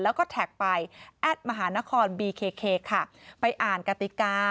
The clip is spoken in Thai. แล้วก็แท็กไปแอดมหานครบีเคค่ะไปอ่านกติกา